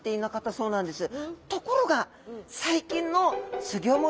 そうなんですね。